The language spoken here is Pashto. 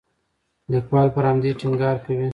لیکوال پر همدې ټینګار کوي.